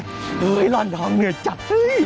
โอ้โฮร่อนทองเหนือจัด